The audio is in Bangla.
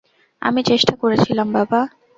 আমি চেষ্টা করেছিলাম -বাবা।